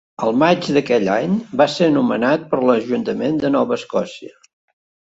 Al maig d'aquell any, va ésser nomenat per a l'ajuntament de Nova Escòcia.